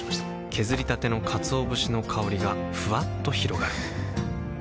削りたてのかつお節の香りがふわっと広がるはぁ。